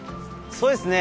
そうですね。